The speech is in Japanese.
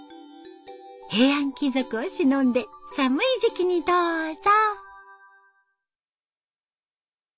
平安貴族をしのんで寒い時期にどうぞ。